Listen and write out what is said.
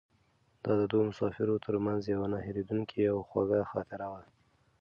دا د دوو مسافرو تر منځ یوه نه هېرېدونکې او خوږه خاطره وه.